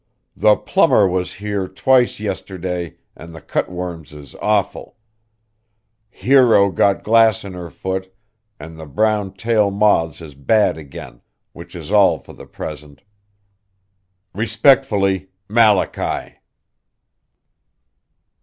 The plummer was hear twice yisterday and the cutworms is awfle. Hero got glass in her foot and the brown tale moths is bad again wich is al for the presnt. Respecfuly MALACHY.